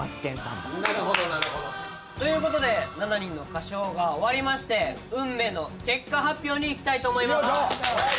なるほどなるほど。という事で７人の歌唱が終わりまして運命の結果発表にいきたいと思います。